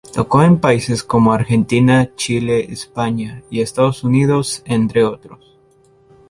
Tocó en países como Argentina, Chile, España y Estados Unidos, entre otros.